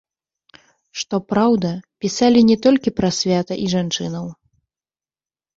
Што праўда, пісалі не толькі пра свята і жанчынаў.